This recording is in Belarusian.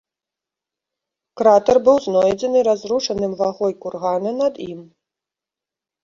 Кратар быў знойдзены раздушаным вагой кургана над ім.